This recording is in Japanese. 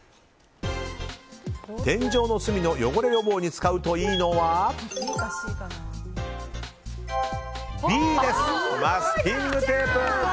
天井の隅の汚れ予防に使うといいのはＢです、マスキングテープ！